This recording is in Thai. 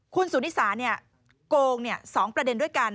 คุณสุนิสาโกง๒ประเด็นด้วยกัน